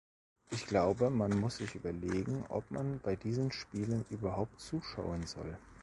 Ich glaube, man muss sich überlegen, ob man bei diesen Spielen überhaupt zuschauen soll.